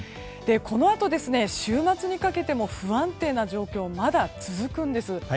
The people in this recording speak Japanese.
このあと週末にかけても不安定な状況がまだ続くんです。